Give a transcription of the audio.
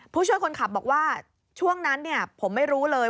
ผู้ช่วยคนขับบอกว่าช่วงนั้นผมไม่รู้เลย